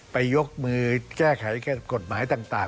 ยกมือแก้ไขกฎหมายต่าง